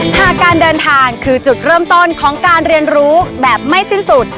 หากการเดินทางคือจุดเริ่มต้นของการเรียนรู้แบบไม่สิ้นสุด